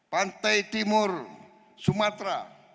pantai timur sumatera